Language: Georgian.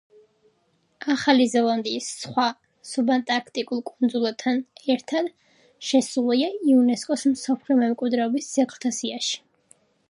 ახალი ზელანდიის სხვა სუბანტარქტიკულ კუნძულებთან ერთად შესულია იუნესკოს მსოფლიო მემკვიდრეობის ძეგლთა სიაში.